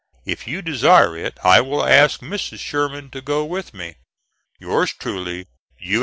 If you desire it, I will ask Mrs. Sherman to go with me. Yours truly, U.